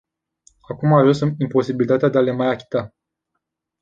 Acum a ajuns în imposibilitatea de a le mai achita.